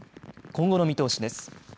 今後の見通しです。